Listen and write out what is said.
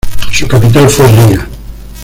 Su capital fue Riga.